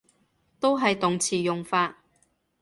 都係動詞用法